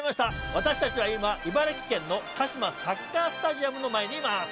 私たちは今茨城県のカシマサッカースタジアムの前にいます。